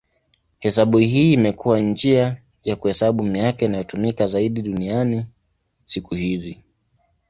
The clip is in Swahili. Hesabu hii imekuwa njia ya kuhesabu miaka inayotumika zaidi duniani siku hizi.